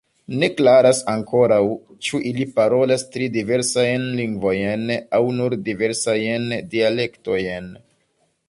Ne klaras ankoraŭ, ĉu ili parolas tri diversajn lingvojn aŭ nur diversajn dialektojn.